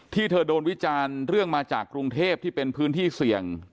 เธอโดนวิจารณ์เรื่องมาจากกรุงเทพที่เป็นพื้นที่เสี่ยง